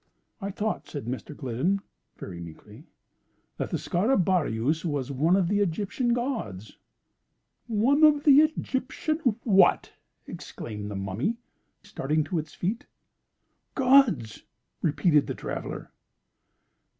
"I thought," said Mr. Gliddon, very meekly, "that the Scarabaeus was one of the Egyptian gods." "One of the Egyptian what?" exclaimed the Mummy, starting to its feet. "Gods!" repeated the traveller.